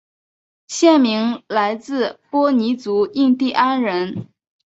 县名来自波尼族印第安人。